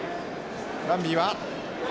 ランビーは。